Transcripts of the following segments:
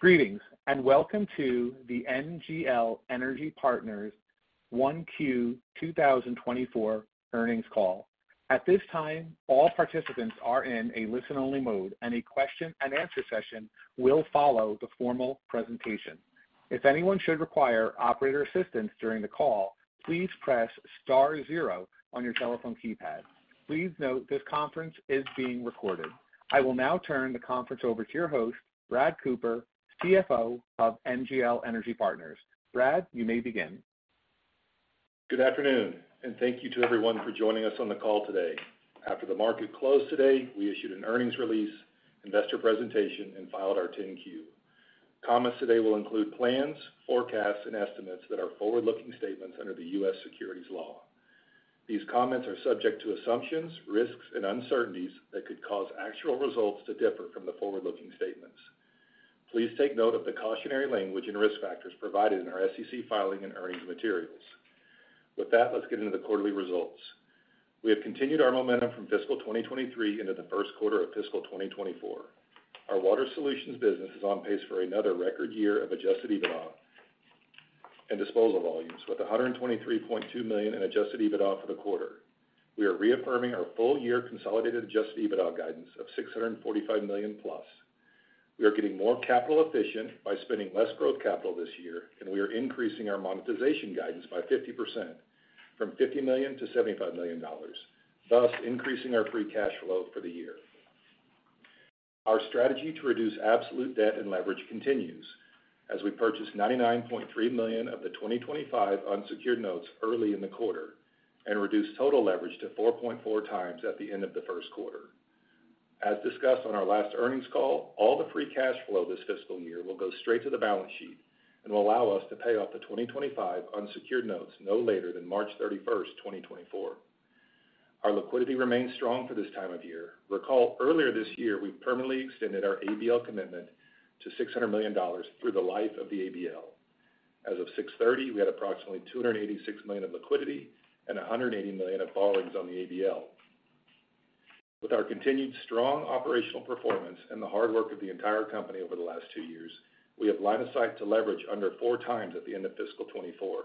Greetings, and welcome to the NGL Energy Partners 1Q 2024 earnings call. At this time, all participants are in a listen-only mode, and a question-and-answer session will follow the formal presentation. If anyone should require operator assistance during the call, please press star zero on your telephone keypad. Please note, this conference is being recorded. I will now turn the conference over to your host, Brad Cooper, CFO of NGL Energy Partners. Brad, you may begin. Good afternoon, thank you to everyone for joining us on the call today. After the market closed today, we issued an earnings release, investor presentation, and filed our 10-Q. Comments today will include plans, forecasts, and estimates that are forward-looking statements under the U.S. securities law. These comments are subject to assumptions, risks, and uncertainties that could cause actual results to differ from the forward-looking statements. Please take note of the cautionary language and risk factors provided in our SEC filing and earnings materials. With that, let's get into the quarterly results. We have continued our momentum from fiscal 2023 into the first quarter of fiscal 2024. Our Water Solutions business is on pace for another record year of Adjusted EBITDA and disposal volumes, with $123.2 million in Adjusted EBITDA for the quarter. We are reaffirming our full-year consolidated Adjusted EBITDA guidance of $645 million+. We are getting more capital efficient by spending less growth capital this year, and we are increasing our monetization guidance by 50% from $50 million to $75 million, thus increasing our free cash flow for the year. Our strategy to reduce absolute debt and leverage continues as we purchased $99.3 million of the 2025 unsecured notes early in the quarter and reduced total leverage to 4.4 times at the end of the first quarter. As discussed on our last earnings call, all the free cash flow this fiscal year will go straight to the balance sheet and will allow us to pay off the 2025 unsecured notes no later than March 31, 2024. Our liquidity remains strong for this time of year. Recall, earlier this year, we permanently extended our ABL commitment to $600 million through the life of the ABL. As of 6/30, we had approximately $286 million of liquidity and $180 million of borrowings on the ABL. With our continued strong operational performance and the hard work of the entire company over the last two years, we have line of sight to leverage under 4x at the end of fiscal 2024.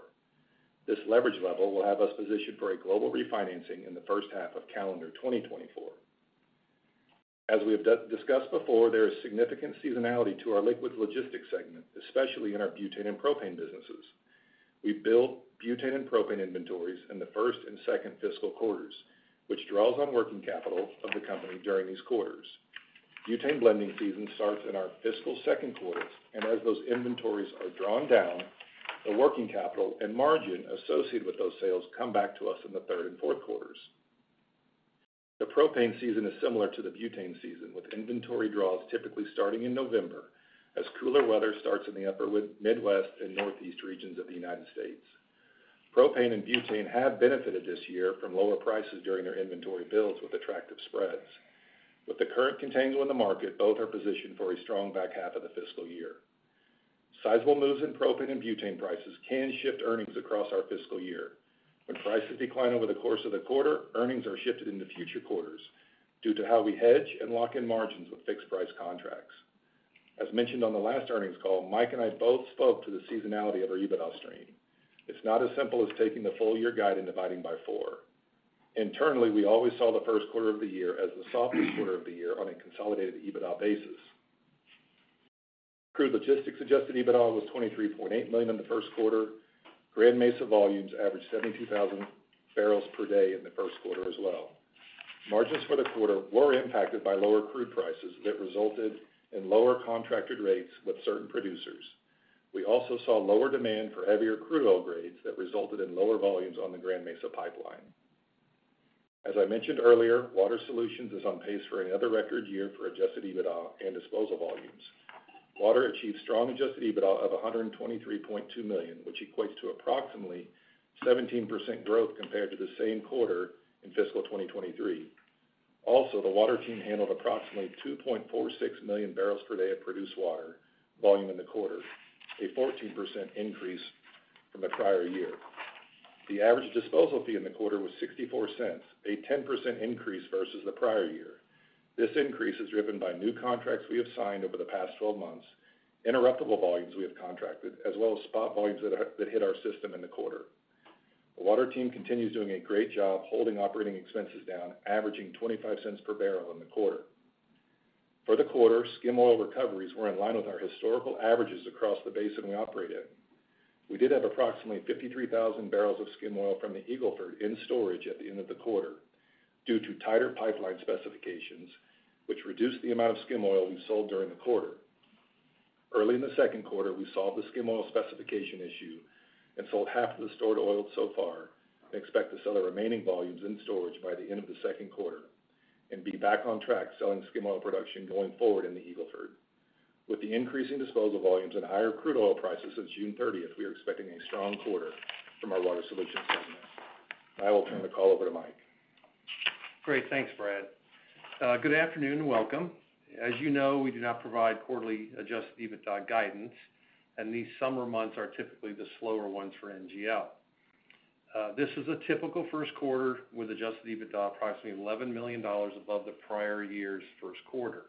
This leverage level will have us positioned for a global refinancing in the first half of calendar 2024. As we have discussed before, there is significant seasonality to our Liquids Logistics segment, especially in our butane and propane businesses. We build butane and propane inventories in the first and second fiscal quarters, which draws on working capital of the company during these quarters. Butane blending season starts in our fiscal second quarter, and as those inventories are drawn down, the working capital and margin associated with those sales come back to us in the third and fourth quarters. The propane season is similar to the butane season, with inventory draws typically starting in November as cooler weather starts in the upper Midwest and Northeast regions of the United States. Propane and butane have benefited this year from lower prices during their inventory builds with attractive spreads. With the current contango in the market, both are positioned for a strong back half of the fiscal year. Sizable moves in propane and butane prices can shift earnings across our fiscal year. When prices decline over the course of the quarter, earnings are shifted into future quarters due to how we hedge and lock in margins with fixed-price contracts. As mentioned on the last earnings call, Mike and I both spoke to the seasonality of our EBITDA stream. It's not as simple as taking the full year guide and dividing by four. Internally, we always saw the first quarter of the year as the softest quarter of the year on a consolidated EBITDA basis. Crude Logistics Adjusted EBITDA was $23.8 million in the first quarter. Grand Mesa volumes averaged 72,000 barrels per day in the first quarter as well. Margins for the quarter were impacted by lower crude prices that resulted in lower contracted rates with certain producers. We also saw lower demand for heavier crude oil grades that resulted in lower volumes on the Grand Mesa pipeline. As I mentioned earlier, Water Solutions is on pace for another record year for Adjusted EBITDA and disposal volumes. Water achieved strong Adjusted EBITDA of $123.2 million, which equates to approximately 17% growth compared to the same quarter in fiscal 2023. The water team handled approximately 2.46 million barrels per day of produced water volume in the quarter, a 14% increase from the prior year. The average disposal fee in the quarter was $0.64, a 10% increase versus the prior year. This increase is driven by new contracts we have signed over the past 12 months, interruptible volumes we have contracted, as well as spot volumes that, that hit our system in the quarter. The water team continues doing a great job holding operating expenses down, averaging $0.25 per barrel in the quarter. For the quarter, skim oil recoveries were in line with our historical averages across the basin we operate in. We did have approximately 53,000 barrels of skim oil from the Eagle Ford in storage at the end of the quarter due to tighter pipeline specifications, which reduced the amount of skim oil we sold during the quarter. Early in the second quarter, we solved the skim oil specification issue and sold half of the stored oil so far and expect to sell the remaining volumes in storage by the end of the second quarter and be back on track selling skim oil production going forward in the Eagle Ford. With the increasing disposal volumes and higher crude oil prices since June 30th, we are expecting a strong quarter from our Water Solutions segment. I will turn the call over to Mike. Great. Thanks, Brad. Good afternoon, and welcome. As, we do not provide quarterly Adjusted EBITDA guidance, and these summer months are typically the slower ones for NGL. ... this is a typical first quarter with Adjusted EBITDA, approximately $11 million above the prior year's first quarter.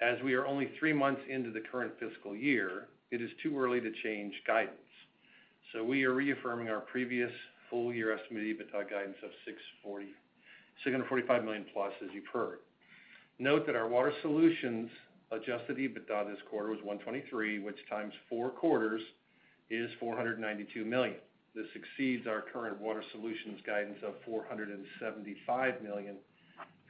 As we are only three months into the current fiscal year, it is too early to change guidance. We are reaffirming our previous full-year estimated EBITDA guidance of $645 million+, as you've heard. Note that our Water Solutions Adjusted EBITDA this quarter was $123 million, which times four quarters, is $492 million. This exceeds our current Water Solutions guidance of $475 million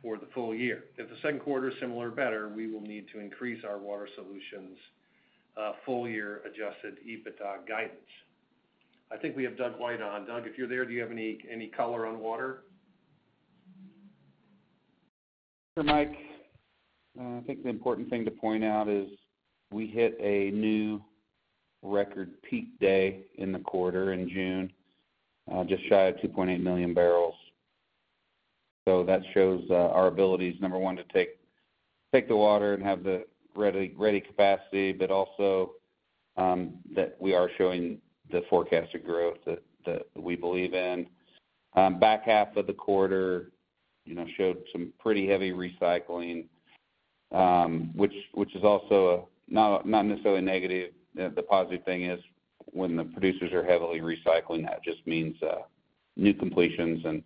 for the full year. If the second quarter is similar or better, we will need to increase our Water Solutions full-year Adjusted EBITDA guidance. I think we have Doug White on. Doug, if you're there, do you have any, any color on water? Sure, Mike. I think the important thing to point out is we hit a new record peak day in the quarter in June, just shy of 2.8 million barrels. That shows our abilities, number 1, to take, take the water and have the ready, ready capacity, but also, that we are showing the forecasted growth that, that we believe in. Back half of the quarter showed some pretty heavy recycling, which, which is also not, not necessarily negative. The positive thing is when the producers are heavily recycling, that just means new completions and,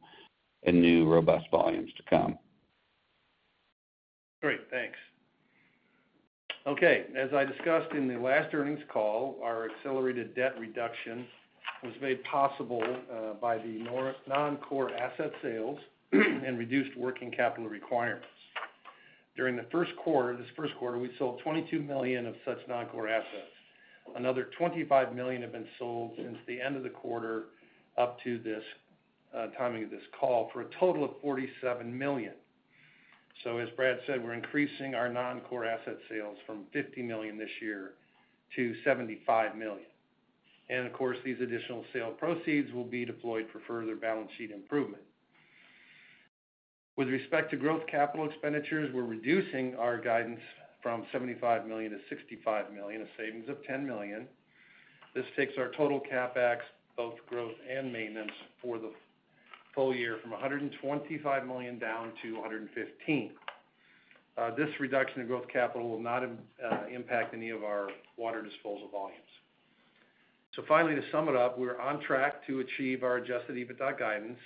and new robust volumes to come. Great, thanks. Okay, as I discussed in the last earnings call, our accelerated debt reduction was made possible by the noncore asset sales and reduced working capital requirements. During the first quarter, this first quarter, we sold $22 million of such noncore assets. Another $25 million have been sold since the end of the quarter up to this timing of this call, for a total of $47 million. As Brad said, we're increasing our noncore asset sales from $50 million this year to $75 million. Of course, these additional sale proceeds will be deployed for further balance sheet improvement. With respect to growth capital expenditures, we're reducing our guidance from $75 million to $65 million, a savings of $10 million. This takes our total CapEx, both growth and maintenance, for the full year from $125 million down to $115 million. This reduction in growth capital will not impact any of our water disposal volumes. Finally, to sum it up, we're on track to achieve our Adjusted EBITDA guidance,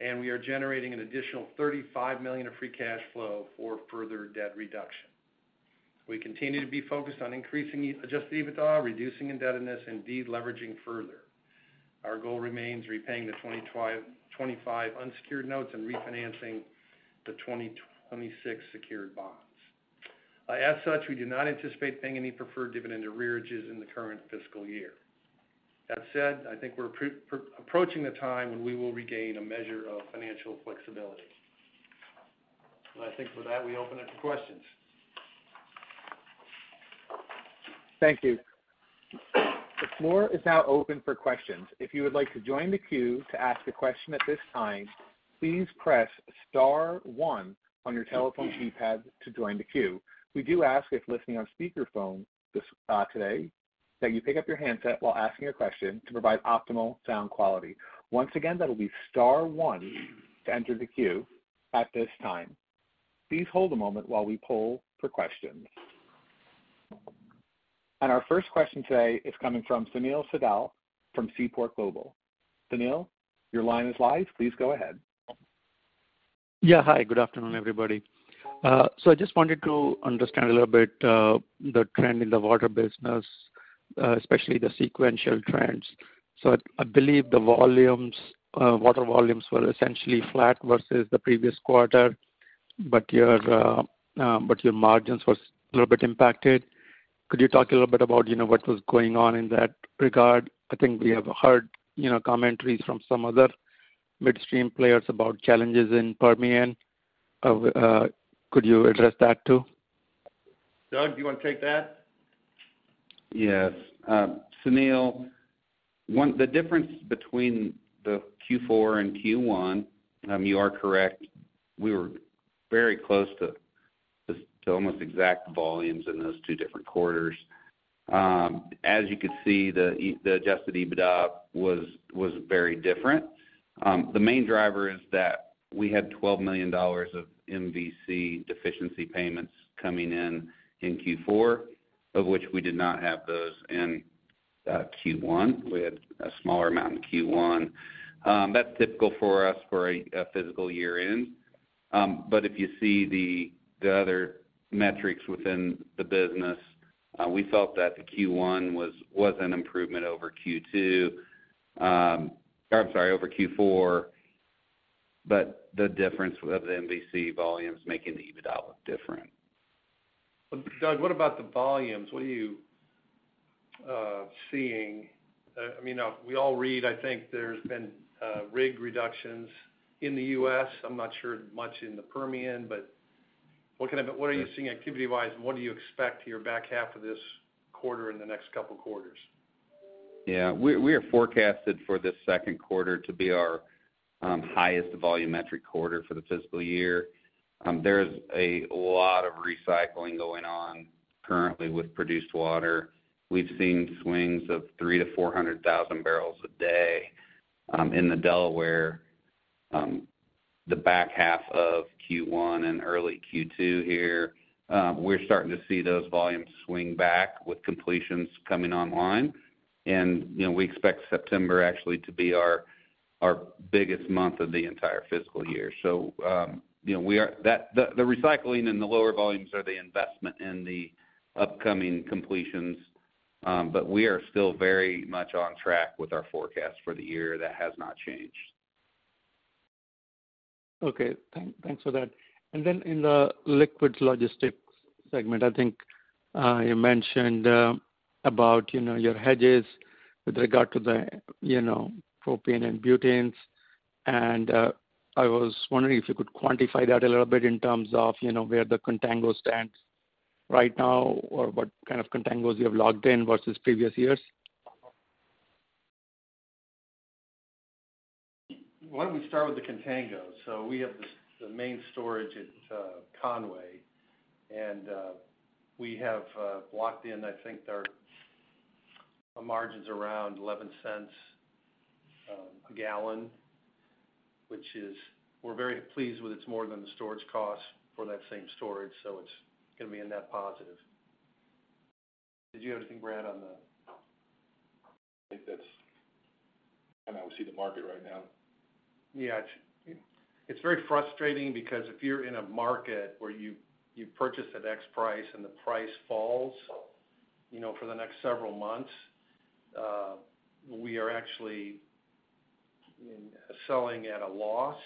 and we are generating an additional $35 million of free cash flow for further debt reduction. We continue to be focused on increasing the Adjusted EBITDA, reducing indebtedness, and de-leveraging further. Our goal remains repaying the 2025 unsecured notes and refinancing the 2026 secured notes. As such, we do not anticipate paying any preferred dividend arrearages in the current fiscal year. That said, I think we're approaching the time when we will regain a measure of financial flexibility. I think with that, we open up to questions. Thank you. The floor is now open for questions. If you would like to join the queue to ask a question at this time, please press star one on your telephone keypad to join the queue. We do ask, if listening on speaker phone this today, that you pick up your handset while asking a question to provide optimal sound quality. Once again, that'll be star one to enter the queue at this time. Please hold a moment while we poll for questions. Our first question today is coming from Sunil Sibal from Seaport Global. Sunil, your line is live. Please go ahead. Yeah, hi, good afternoon, everybody. I just wanted to understand a little bit the trend in the water business, especially the sequential trends. I, I believe the volumes, water volumes were essentially flat versus the previous quarter, but your margins was a little bit impacted. Could you talk a little bit about what was going on in that regard? I think we have heard commentaries from some other midstream players about challenges in Permian. Could you address that, too? Doug, do you want to take that? Yes. Sunil, the difference between the Q4 and Q1, you are correct, we were very close to almost exact volumes in those two different quarters. As you could see, the Adjusted EBITDA was very different. The main driver is that we had $12 million of MVC deficiency payments coming in in Q4, of which we did not have those in Q1. We had a smaller amount in Q1. That's typical for us for a physical year-end. If you see the other metrics within the business, we felt that the Q1 was an improvement over Q2, or I'm sorry, over Q4, but the difference of the MVC volumes making the EBITDA look different. Doug, what about the volumes? What are you seeing? I mean, we all read, I think there's been rig reductions in the U.S. I'm not sure much in the Permian, but what are you seeing activity-wise, and what do you expect here back half of this quarter and the next couple quarters? Yeah. We, we are forecasted for this second quarter to be our, highest volumetric quarter for the fiscal year. There's a lot of recycling going on currently with produced water. We've seen swings of 300,000-400,000 barrels a day in the Delaware. The back half of Q1 and early Q2 here, we're starting to see those volumes swing back with completions coming online., we expect September actually to be our, our biggest month of the entire fiscal year., we are that the recycling and the lower volumes are the investment in the upcoming completions, but we are still very much on track with our forecast for the year. That has not changed. Okay, thank, thanks for that. Then in the Liquids Logistics segment, I think, you mentioned, about your hedges with regard to the propane and butanes. I was wondering if you could quantify that a little bit in terms of where the contango stands right now or what kind of contangos you have logged in versus previous years? Why don't we start with the contango? We have the, the main storage at Conway, and we have locked in, I think, our, our margin's around $0.11 a gallon, which is. We're very pleased with it. It's more than the storage cost for that same storage, so it's gonna be a net positive. Did you have anything, Brad, on the- I think that's how we see the market right now. Yeah. It's, it's very frustrating because if you're in a market where you, you purchase at X price and the price falls for the next several months, we are actually selling at a loss,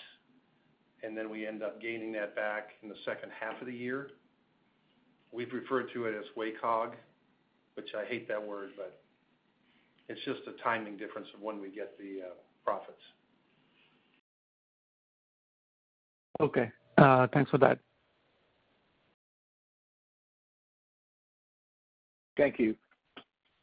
and then we end up gaining that back in the second half of the year. We've referred to it as WACOG, which I hate that word, but it's just a timing difference of when we get the profits. Okay. Thanks for that. Thank you.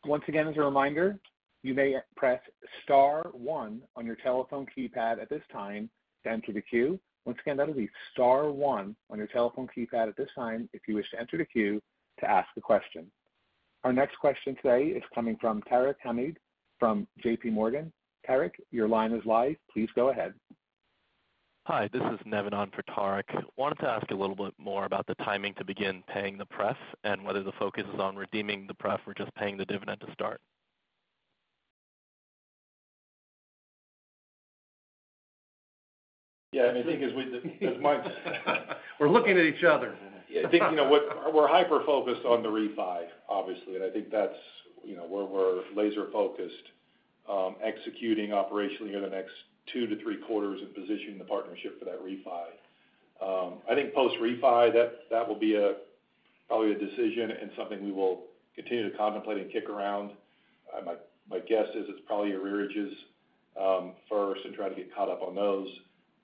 Once again, as a reminder, you may press star one on your telephone keypad at this time to enter the queue. Once again, that will be star one on your telephone keypad at this time, if you wish to enter the queue to ask a question. Our next question today is coming from Tarek Hamid from J.P. Morgan. Tarek, your line is live. Please go ahead. Hi, this is Nevin on for Tarek. Wanted to ask a little bit more about the timing to begin paying the pref, and whether the focus is on redeeming the pref or just paying the dividend to start? Yeah, I think as we, as Mike- We're looking at each other. I think we're, we're hyper-focused on the refi, obviously, and I think that's where we're laser focused, executing operationally over the next two to three quarters and positioning the partnership for that refi. I think post-refi, that, that will be a, probably a decision and something we will continue to contemplate and kick around. My, my guess is it's probably arrearages, first and try to get caught up on those.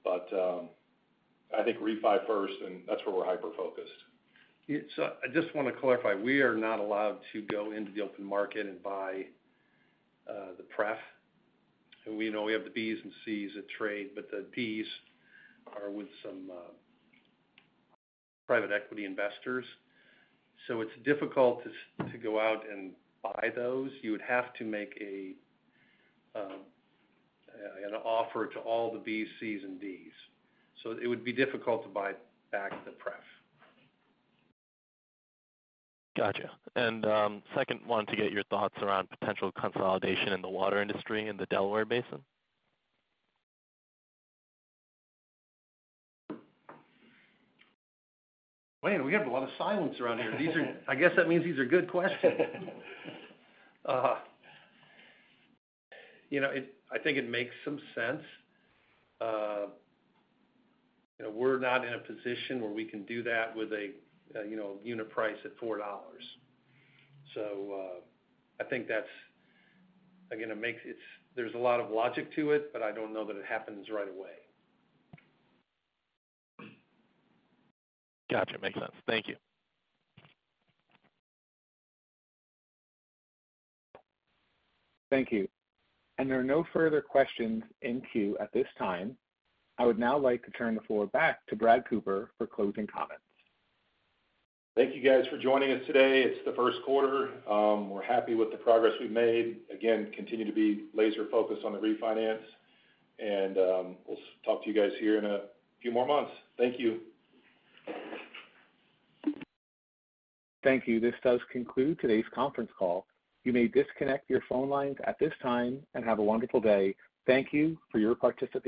I think refi first, and that's where we're hyper-focused. It's I just want to clarify, we are not allowed to go into the open market and buy, the pref. We know we have the Bs and Cs that trade, but the Ds are with some private equity investors, it's difficult to, to go out and buy those. You would have to make an offer to all the Bs, Cs and Ds, it would be difficult to buy back the pref. Gotcha. Second, wanted to get your thoughts around potential consolidation in the water industry in the Delaware Basin. Man, we have a lot of silence around here. These are-- I guess that means these are good questions., it-- I think it makes some sense., we're not in a position where we can do that with a unit price at $4. I think that's, again, it makes it-- there's a lot of logic to it, but I don't know that it happens right away. Gotcha. Makes sense. Thank you. Thank you. There are no further questions in queue at this time. I would now like to turn the floor back to Brad Cooper for closing comments. Thank you, guys, for joining us today. It's the first quarter. We're happy with the progress we've made. Again, continue to be laser focused on the refinance, and we'll talk to you guys here in a few more months. Thank you. Thank you. This does conclude today's conference call. You may disconnect your phone lines at this time. Have a wonderful day. Thank you for your participation.